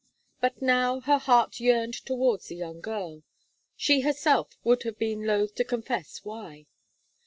But now her heart yearned towards the young girl, she herself would have been loth to confess why.